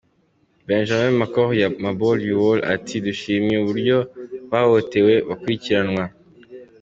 Benjamin Makor Mabor Yuol ati “dushimye uburyo abahohotewe bakurikiranwa.